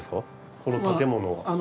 この建物は。